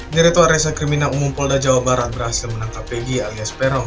direktur reserse kriminal umum polda jawa barat berhasil menangkap pg alias peron